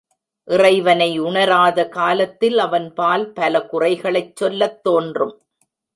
இறைவனை உணராத காலத்தில் அவன்பால் பல குறைகளைச் சொல்லத் தோன்றும்.